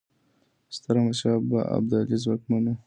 ستراحمدشاه ابدالي ځواکمن و.